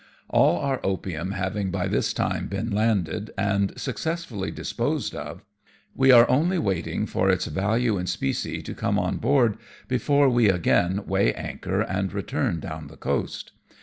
All our opium having by this time been landed, and successfully disposed of, we are only waiting for its value in specie to come on board before we again weigh anchor and return down the coast.